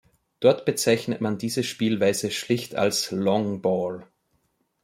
Dort bezeichnet man diese Spielweise schlicht als "Long Ball".